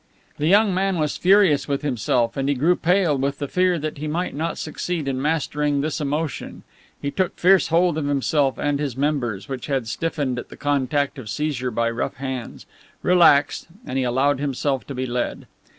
The young man was furious with himself, and he grew pale with the fear that he might not succeed in mastering this emotion, he took fierce hold of himself and his members, which had stiffened at the contact of seizure by rough hands, relaxed, and he allowed himself to be led.